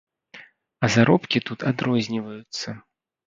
А заробкі тут адрозніваюцца.